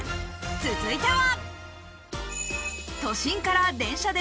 続いては！